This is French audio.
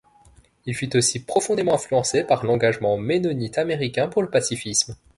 Il fut aussi profondément influencé par l'engagement mennonite américain pour le pacifisme.